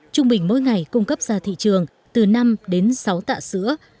trung bình mỗi ngày cung cấp ra thị trường từ năm đến sáu tạ sữa